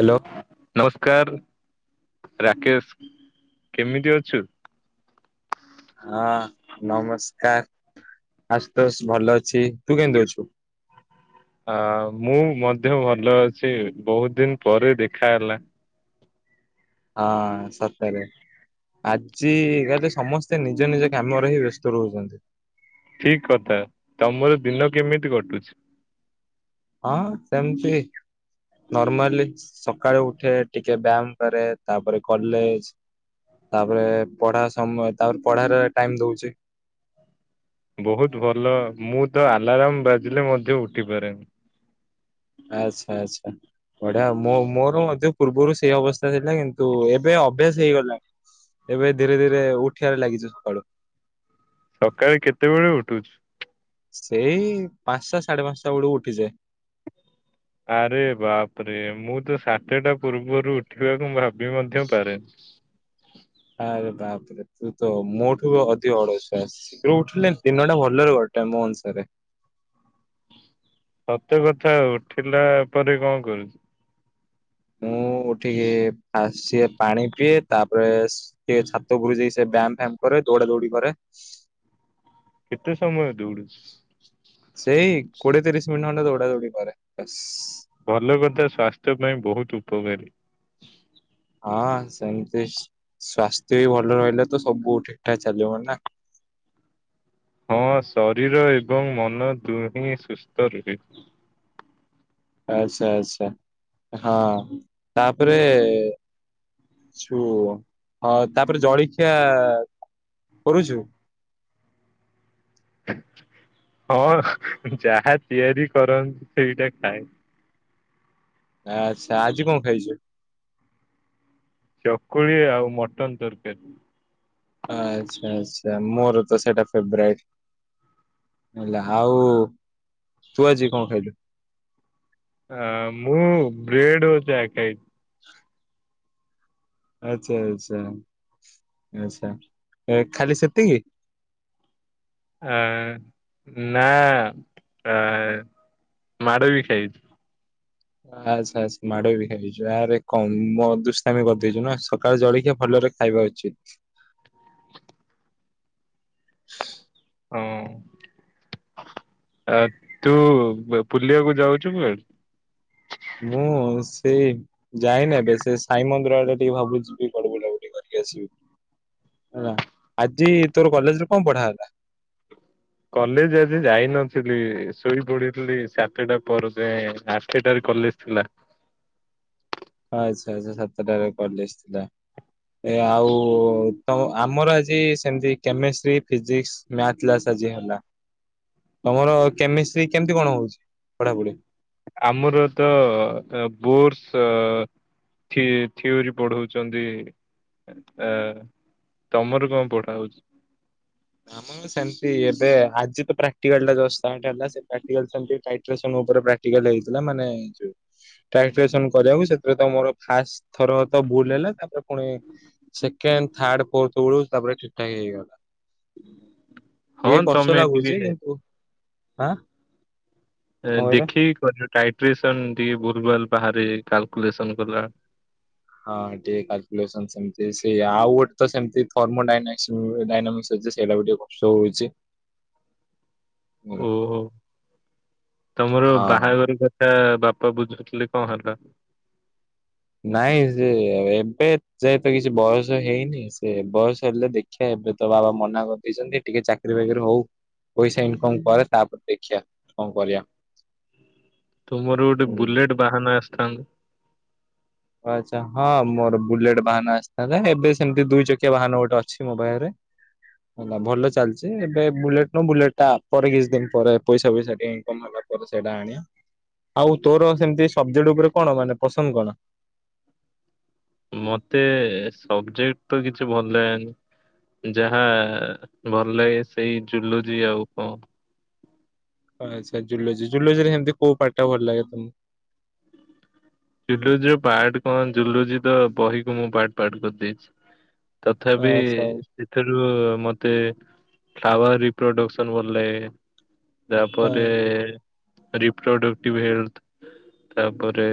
Hello. ନମସ୍କାର ରାକେଶ କେମିତି ଅଛୁ? ହଁ ନମସ୍କାର ଆଶୁତୋଷ ଭଲ ଅଛି। ତୁ କେମିତି ଅଛୁ? ଆ ମୁଁ ମଧ୍ୟ ଭଲ ଅଛି, ବହୁତ ଦିନ ପରେ ଦେଖା ହେଲା। ହଁ ସତରେ। ଆଜି କାଲି ସମସ୍ତେ ନିଜ ନିଜ କାମରେ ହିଁ ବ୍ୟସ୍ତ ରହୁଛନ୍ତି। ଠିକ୍ କଥା, ତମର ଦିନ କେମିତି କଟୁଛି? ହଁ ସେମତି। ନର୍ମାଲି ସକାଳୁ ଉଠେ, ଟିକେ ବ୍ୟାୟାମ କରେ, ତାପରେ କଲେଜ। ତାପରେ ପଢା ସମୟ ତାପରେ ପଢାରେ ଟାଇମ୍ ଦଉଚି। ବହୁତ ଭଲ, ମୁଁ ତ ଆଲାର୍ମ ବାଜିଲେ ମଧ୍ୟ ଉଠି ପାରେନି। ଆଚ୍ଛା ଆଚ୍ଛା। ବଢ଼ିଆ ଆଉ ମୋ ମୋର ମଧ୍ୟ ପୂର୍ବରୁ ସେଇ ଅବସ୍ଥା ଥିଲା, କିନ୍ତୁ ଏବେ ଅଭ୍ୟାସ ହେଇଗଲାଣି। ଏବେ ଧୀରେ ଧୀରେ ଉଠିଆରେ ଲାଗିଚି ସକାଳୁ। ସକାଳେ କେତେବେଳେ ଉଠୁଛୁ? ସେଇ ପାଞ୍ଚଟା ସାଢେ ପାଞ୍ଚଟା ବେଳକୁ ଉଠିଯାଏ। ଆରେ ବାପରେ ମୁଁ ତ ସାତଟା ପୂର୍ବରୁ ଉଠିବାକୁ ଭାବି ମଧ୍ୟ ପାରେନି। ଆରେ ବାପରେ। ସେ ତ ମୋଠୁ ଅଧିକ ଅଳସୁଆ, ଶୀଘ୍ର ଉଠିଲେ ଦିନଟା ଭଲରେ କଟେ ମୋ ଅନୁସାରେ। ସତେ କଥା ଉଠିଲା ପରେ କଣ କରୁଚୁ? ମୁଁ ଉଠିକି ଫାଷ୍ଟ ପାଣି ପିଏ, ତାପରେ ସେ ଛାତ ଉପରୁକୁ ଯାଇ ସେ ବ୍ୟାୟାମ୍ ଫ୍ୟାମ୍ କରେ, ଦୌଡା ଦୌଡି କରେ। କେତେ ସମୟ ଦୌଡୁଛୁ? ସେଇ କୋଡିଏ ତିରିଶ ମିନିଟ ଖଣ୍ଡେ ଦୌଡା ଦୌଡି କରେ ବାସ୍। ଭଲ କଥା, ସ୍ୱାସ୍ଥ୍ୟ ପାଇଁ ବହୁତ ଉପକାରୀ। ହଁ ସେମିତି ସ୍ୱାସ୍ଥ୍ୟ ବି ଭଲ ରହିଲେ, ତ ସବୁ ଠିକ୍ ଠାକ୍ ଚାଲିବ ନା। ହଁ ଶରୀର ଏବଂ ମନ ଦୁହେଁ ସୁସ୍ଥ ରୁହେ। ଆଚ୍ଛା ଆଚ୍ଛା ହଁ ତାପରେ ଛୁ ହଁ ତାପରେ ଜଳଖିଆ କରୁଛୁ? ହଁ ଯାହା ତିଆରି କରନ୍ତି ସେଇଟା ଖାଏ। ଆଚ୍ଛା ଆଜି କଣ ଖାଇଛୁ? ଚକୁଳି ଆଉ ମଟନ ତରକାରୀ। ଆଚ୍ଛା ଆଚ୍ଛା ମୋର ତ ସେଇଟା ଫେବରାଇଟ୍। [unintelligible] ଆଉ ତୁ ଆଜି କଣ ଖାଇଲୁ? ମୁଁ ବ୍ରେଡ ଓ ଚାହା ଖାଇଛି। ଆଚ୍ଛା ଆଚ୍ଛା ଆଚ୍ଛା ଖାଲି ସେତିକି? ଆ ନା ଆ ମାଡ ବି ଖାଇଛି। ଆଚ୍ଛା ଆଚ୍ଛା ମାଡ ବି ଖାଇ ଦେଇଛୁ, ଆରେ କମ ଦୁଷ୍ଟାମି କରିଦେଇଚୁ ନା ସକାଳେ ଜଳିଖିଆ ଭଲରେ ଖାଇବା ଉଚିତ୍। [inaudible] ହଁ ଆ ତୁ ବୁଲିବାକୁ ଯାଉଛୁ କୁଆଡେ? ମୁଁ ସେଇ ଯାଇନି, ଏବେ ସେ ସାଇ ମନ୍ଦିର ଆଡେ ଟିକେ ଭାବୁଛି ଯିବି କୁଆଡ଼େ ବୁଲାବୁଲି [unintelligible] ହେଲା, ଆଜି ତୋର କଲେଜରେ କଣ ପଢା ହେଲା? କଲେଜ ଆଜି ଯାଇନଥିଲି, ଶୋଇ ପଡିଥିଲି ସାତଟା ପର ଯାଏଁ ଆ ଆଠଟାରେ କଲେଜ ଥିଲା। ଆଚ୍ଛା ଆଚ୍ଛା ସାତଟାରେ କଲେଜ ଥିଲା। ଏ ଆଉ ତ ଆମର ଆଜି ସେମିତି କେମେଷ୍ଟ୍ରି, ଫିଜିକ୍ସ ମ୍ୟାଥ କ୍ଲାସ ଆଜି ହେଲା। ତମର କେମିଷ୍ଟ୍ରି କେମିତି କଣ ହଉଛି ପଢାପଢି? ଆମର ତ ବୋର୍ଡସ ଥି ଥିଓରି ପଢଉଚନ୍ତି। ଏ ତମର କଣ ପଢ଼ା ହଉଚି? [inaudible] ସେମ୍ତି ଏବେ ଆଜି ତ ପ୍ରାକ୍ଟିକାଲ୍ ଟା ଜଷ୍ଟ୍ [unintelligible] ହେଲା, ସେ ପ୍ରାକ୍ଟିକାଲ୍ ଟାଇଟ୍ରେସନ୍ ଉପରେ ପ୍ରା କ୍ଟିକାଲ୍ ଟା ହେଇଥିଲା ମାନେ ଯୋଉ ଟାଇଟ୍ରେସନ୍ କରିଆକୁ ସେଥିରେ ତ ମୋର ଫାଷ୍ଟ ଥର ତ ଭୁଲ୍ ହେଲା ତାପରେ ଫୁଣି ସେକେଣ୍ଡ ଥାର୍ଡ ଫୋର୍ଥ ବେଳୁକୁ ତାପରେ ଠିକ୍ ଠାକ୍ ହେଇଗଲା। ହଁ ଟିକେ କଷ୍ଟ ତମେ ଟିକେ ଲାଗୁଚି କିନ୍ତୁ ହାଁ। ଦେଖିକି କରିବ ଟାଇଟ୍ରେସନ୍ ଟିକେ ଭୁଲ୍ ଭାଲ୍ ବାହାରେ କାଲ୍କୁଲେସନ୍ କଲା ହଁ ଟିକେ କାଲ୍କୁଲେସନ୍ ସେମ୍ତି ସେଇ ଆଉ ଗୋଟେ ତ ସେମ୍ତି [unintelligible] ସେଇଟା ବି ଟିକେ ସୋ ହଉଚି। ଓହୋ ତମର ହଁ ବାହାଘର [unintelligible] ବାପା ବୁଝୁଥିଲେ କଣ ହେଲା? ନାଇଁ ସେ ଏବେ ଯାଏ ଏତେ କିଛି ବୟସ ହେଇନି, ସେ ବୟସ ହେଲେ ଦେ ଖିଆ ଏବେ ତ ବାବା ମନା କରିଦେଇଚିନ୍ତି, ଟିକେ ଚାକିରି ବାକିରି ହଉ। ପଇସା ଇନକମ୍ କରେ ତାପରେ ଦେଖିଆ କଣ କରିଆ। ତୁମର ଗୋଟେ ବୁଲେଟ୍ ବାହାନ ଆସିଥାନ୍ତା। ଆଚ୍ଛା ହଁ ମୋର ବୁଲେଟ୍ ବାହାନ ଆସିଥାନ୍ତା, ଏବେ ସେମ୍ତି ଦୁଇ ଚକିଆ ବାହାନ ଗୋଟେ ଅଛି ମୋ ପାଖେରେ। ହେଲା ଭଲ ଚାଲ୍ଚି ଏବେ ବୁଲେଟ୍ ନୁହଁ, ବୁଲେଟ୍ ଟା ପରେ କିଛି ଦିନ୍ ପରେ ପଇସା ଫଇସା ଟିକେ ଇନକମ୍ ହେଲା ପରେ ସେଇଟା ଆଣିଆ, ଆଉ ତୋର ସେମତି ସବଜେକ୍ଟ ଉପରେ କଣ ମାନେ ପସନ୍ଦ କଣ? ମତେ ସବଜେକ୍ଟ ତ କିଛି ଭଲ ଲାଗେନି। ଯାହା ଭଲ୍ ଲାଗେ ସେଇ ଜୁଲଜି ଆଉ କଣ। ଆଛା ଜୁଲୋଜି, ଜୁଲୋଜି ରେ ସେମ୍ତି କୋଉ ପାଟ୍ ଟା ଭଲ୍ ଲାଗେ ତମୁକୁ। ଜୁଲୋଜି ର ପାଟ୍ କଣ, ଜୁଲୋଜି ତ ବହିକୁ ମୁଁ ପାଟ୍-ପାଟ୍ କରିଦେଇଚି। ତଥାପି ସେଥିରୁ ମତେ ଫ୍ଲାୱାର୍ ରିପ୍ରଡକ୍ସନ୍ ଭଲ୍ ଲାଗେ। ତାପରେ ଆଚ୍ଛା ରିପ୍ରଡକ୍ଟିଭ୍ ହେଲ୍ଥ। ତାପରେ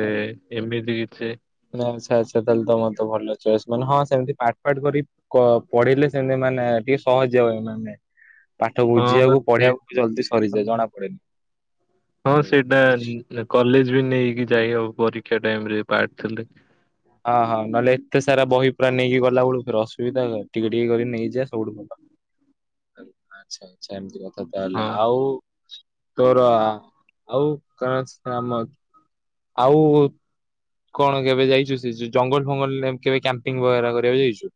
ଏମିତି କିଛି [unintelligible] ଆଚ୍ଛା-ଆଚ୍ଛା ତାହେଲେ ତମର ତ ଭଲ ଚଏସ୍, ମାନେ ହଁ ସେମ୍ତି ପାଟ୍-ପାଟ୍ କରି କ ପଢିଲେ ସେମ୍ତି ମାନେ ଟିକେ ସହଜିଆ ହୁଏ ମାନେ। ପାଠ ହଁ ବୁଝିଆକୁ ସେ ପଢିବାକୁ ଜଲ୍ଦି ସରିଯାଏ ଜଣା ପଡେନି। ହଁ ହୁଁ। ସେଇଟା କଲେଜ୍ ବି ନେଇକି ଯାଇହବ ପରୀକ୍ଷା ଟାଇମ୍ ରେ ପାଟ୍ ଥିଲେ। ହଁ-ହଁ ନହେଲେ ଏତେ ସାରା ବହି ପୁରା ନେଇକି ଗଲା ବେଳକୁ ଫେରେ ଅସୁବିଧା [unintelligible] ଟିକେ-ଟିକେ କରି ନେଇଯା ସବୁଠୁ ଆଚ୍ଛା-ଆଚ୍ଛା ଏମ୍ତି କଥା ହଁ ତାହେଲେ, ଆଉ ତୋର ଆଉ କଣ [inaudible] ଆଉ କଣ କେବେ ଯାଇଛୁ ସେ [unintelligible] ଜଙ୍ଗଲ୍ ଫଙ୍ଗଲ୍ ରେ କେବେ କ୍ୟାମ୍ପିଙ୍ଗ ବାଗେରା କରିବାକୁ ଯାଇଛୁ?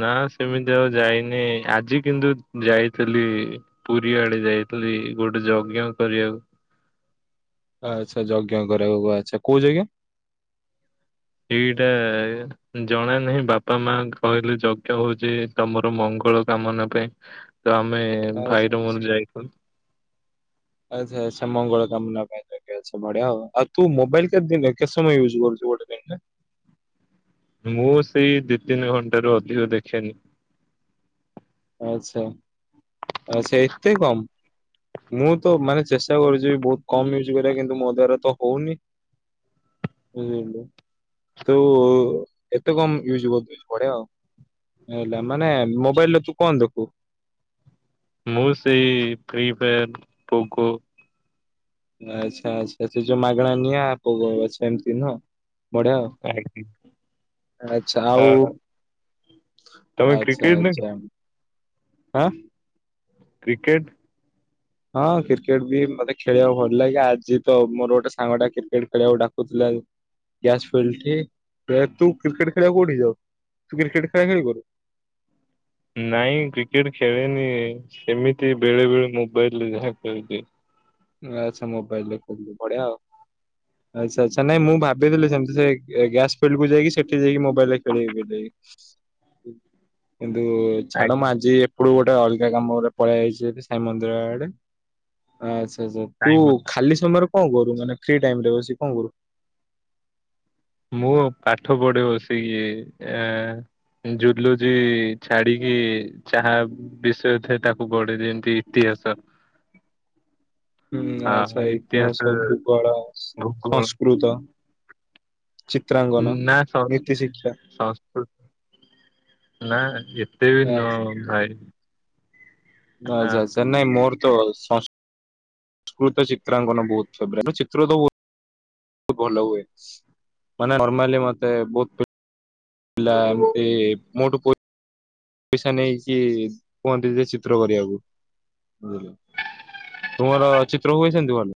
ନା ସେମିତି ଆଉ ଯାଇନି, ଆଜି କିନ୍ତୁ ଯାଇଥେଲି ପୁରୀ ଆଡେ ଯାଇଥିଲି ଗୋଟେ ଯଜ୍ଞ କରିଆକୁ। ଆଚ୍ଛା ଯଜ୍ଞ କରିଆକୁ, ଆଚ୍ଛା କୋଉ ଜଜ୍ଞ? ଏଇଟା ଏ ଜଣା ନାହିଁ ବାପା ମା କହିଲେ ଯଜ୍ଞ ହଉଚି ତମର ମଙ୍ଗଳ କାମନା ପାଇଁ। ତମେ ଆଚ୍ଛା। ଭାଇର ମୋର ଯାଇଥିଲୁ। ଆଚ୍ଛା-ଆଚ୍ଛା ମଙ୍ଗଳ କାମନା ପାଇଁ ଯଜ୍ଞ। ଆଚ୍ଛା ବଢ଼ିଆ ଆଉ, ଆଉ ତୁ ମୋବାଇଲ୍ କେତେଦିନ୍ କେତେ ସମୟ ୟୁଜ୍ କରୁଚୁ ଗୋଟେ ଦିନରେ? ମୁଁ ସେଇ ଦି ତିନି ଘଣ୍ଟାରୁ ଅଧିକ ଦେଖେନି। ଆଚ୍ଛା-ଆଚ୍ଛା ଏତେ କମ୍। ମୁଁ ତ ମାନେ ଚେଷ୍ଟା କରୁଚି ବହୁତ୍ କମ ୟୁଜ୍ କରିବାକୁ କିନ୍ତୁ ମୋ ଦ୍ଵାରା ତ ହଉନି। [unintelligible] ତୁ ଏତେ କମ୍ ୟୁଜ୍ କରିଦଉଚୁ ବଢ଼ିଆ ଆଉ। ହେଲା, ମାନେ ମୋବାଇଲ୍ ରେ ତୁ କଣ ଦେଖୁ? ମୁଁ ସେଇ ଫି ଫାୟାର ପୋକୋ। ଆଚ୍ଛା ଆଚ୍ଛା ସେ ଯୋଉ ମାଗଣା ନିଆ ପୋ ସେମିତି ନୁହଁ। ବଢିଆ ଆଛା ଆ, ଆଉ। ତମେ ଆଚ୍ଛା କ୍ରିକେଟ ଦେଖ ଆଚ୍ଛା ଆ। କ୍ରିକେଟ୍। ହଁ କ୍ରିକେଟ୍ ବି ମତେ ଖେଳିବାକୁ ଭଲ ଲାଗେ ଆଜି ତ ମୋର ଗୋଟେ ସାଙ୍ଗ ଟା କ୍ରିକେଟ୍ ଖେଳିବାକୁ ଡାକୁଥିଲା। ଗ୍ୟାସ ଫିଲ୍ଡ ଠି ତୁ କ୍ରିକେଟ୍ ଖେଳିବାକୁ କୋଉଠି ଯାଉ ତୁ କ୍ରିକେଟ୍ ଖେଳା ଖେଳି କରୁ। ନାଇଁ କ୍ରିକେଟ୍ ଖେଳେନି ସେମିତି ବେଳେ ବେଳେ ମୋବାଇଲରେ ଯାହା ଖେଳି ଦିଏ। ଆଛା ମୋବାଇଲ ରେ ଖେଳୁ ବଢ଼ିଆ ଆଉ। ଆଚ୍ଛା ଆଚ୍ଛା ନାଇ ମୁଁ ଭାବିଥିଲି ସେମିତି ସେ ଗ୍ୟାସ୍ ଫିଲ୍ଡକୁ ଯାଇକି ସେଠି ଯାଇକି ମୋବାଇଲରେ ଖେଳିବି ବୋଲି। କିନ୍ତୁ ଛାଡ ଆଜ୍ଞା, ମୁଁ ଆଜି ଏପଟୁ ଗୋଟେ ଅଲଗା କାମରେ ପଳେଇଆଇଚି ସାଇ ମନ୍ଦିର ଆଡେ ଆ [unintelligible] ତୁ ଟାଇମ୍ ଅଛି। ଖାଲି ସମୟରେ କଣ କରୁ ମାନେ ଫ୍ରି ଟାଇମ ରେ ବସି କଣ କରୁ? ମୁଁ ପାଠ ପଢେ ବସିକି ଏ ଜୁଲୁଜି ଛାଡିକି ଚାହା ବିଷୟ ଥାଏ ତାକୁ ପଢେ ଯେମତି ଇତିହାସ। ହୁଁ ଆଚ୍ଛା ଇତିହାସ ଭୂଗୋଳ ଭୂଗୋଳ ସଂସ୍କୃତ। ଚିତ୍ରାଙ୍କନ ନା ନୀତି ସଂସ୍କୃତି ଶିକ୍ଷା ସଂସ୍କୃତି। ନା ଏତେ ବି ନ ନାହିଁ। ଆଚ୍ଛା ଆଚ୍ଛା। ନାଇଁ ମୋର ତ ସଂସ୍କୃତ ଚିତ୍ରାଙ୍କନ ବହୁତ ଫେଭୋରିଟ ଚିତ୍ର ତ ବହୁତ ଭଲ ହୁଏ ମାନେ ନର୍ମାଲି ମତେ ବହୁ ପଲା ଏମିତି ମୋଠୁ କୋ ପଇସା ନେଇକି କୁହନ୍ତି ଯେ ଚିତ୍ର କରିବାକୁ ତୁମର ଚିତ୍ର ହୁଏ ସେମିତି ଭଲ।